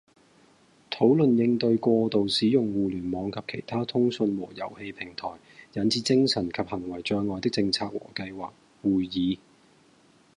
「討論應對過度使用互聯網及其他通訊和遊戲平台引致精神及行為障礙的政策和計劃」會議